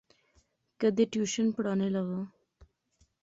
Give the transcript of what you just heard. کیدے ٹیوشن پڑھانے لاغا